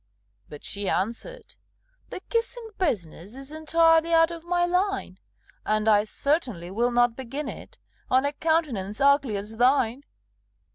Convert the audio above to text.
But she answered, "The kissing business Is entirely out of my line; And I certainly will not begin it On a countenance ugly as thine!"